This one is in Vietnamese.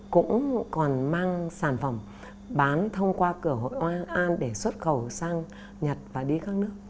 cũng còn mang sản phẩm bán thông qua cửa hội oa an để xuất khẩu sang nhật và đi các nước